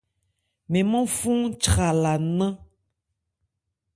Mɛn mân fɔ́n chralá nnán.